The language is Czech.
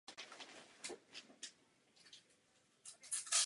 Nejedná se o peníze do fondu.